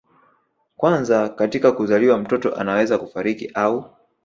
kwanza katika kuzaliwa mtoto anaweza kufariki au